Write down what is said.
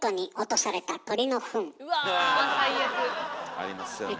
ありますよねえ。